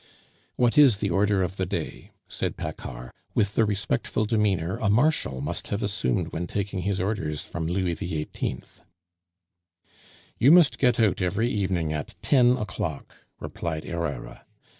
"What is the order of the day?" said Paccard, with the respectful demeanor a marshal must have assumed when taking his orders from Louis XVIII. "You must get out every evening at ten o'clock," replied Herrera.